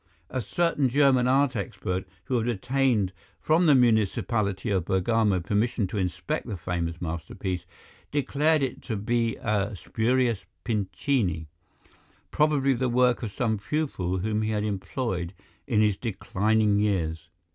A certain German art expert, who had obtained from the municipality of Bergamo permission to inspect the famous masterpiece, declared it to be a spurious Pincini, probably the work of some pupil whom he had employed in his declining years.